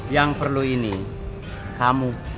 yang perlu ini kamu